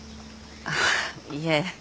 あっいいえ。